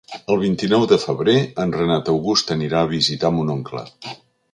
El vint-i-nou de febrer en Renat August anirà a visitar mon oncle.